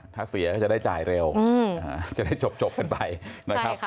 ถ้าเสียก็จะได้จ่ายเร็วอืมอ่าจะได้จบจบกันไปใช่ค่ะ